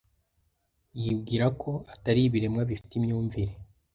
Yibwira ko atari ibiremwa bifite imyumvire.